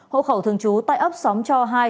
hộ khẩu thường trú tại ấp xóm cho hai